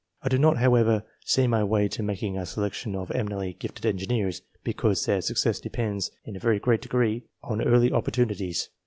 I do not, however, see m'y way to making a selection of emi nently gifted engineers, because their success depends, in a very great degree, on early opportunities.